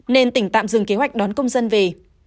nên tỉnh tạm dừng kế hoạch đón công dân về